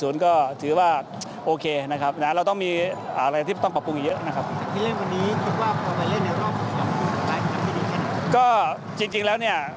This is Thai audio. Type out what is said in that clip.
เนี่ย